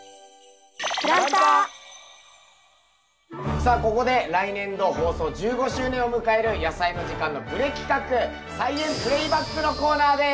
さあここで来年度放送１５周年を迎える「やさいの時間」のプレ企画「菜園プレイバック」のコーナーです！